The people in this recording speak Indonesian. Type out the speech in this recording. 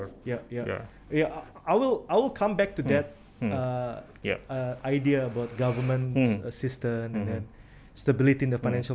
saya akan kembali ke ide ide pemerintah yang membantu dan stabilitas di pasar finansial